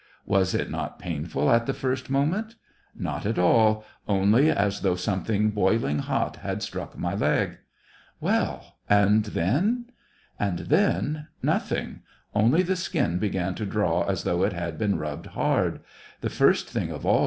" Was it not painful at the first moment t "" Not at all ; only as though something boiling hot had struck my leg." Well, and then .?"" And then — nothing ; only the skin began to draw as though it had been rubbed hard. The first thing of all.